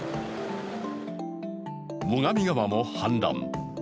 最上川も氾濫。